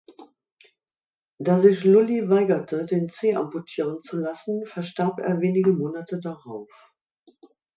Da sich Lully weigerte, den Zeh amputieren zu lassen, verstarb er wenige Monate darauf.